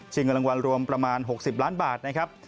เงินรางวัลรวมประมาณ๖๐ล้านบาทนะครับ